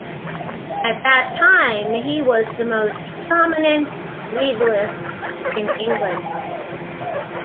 At that time, he was the most prominent legalist in England.